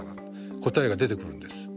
答えが出てくるんです。